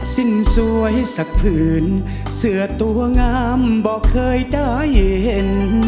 สิ้นสวยสักผื่นเสือตัวงามบอกเคยได้เห็น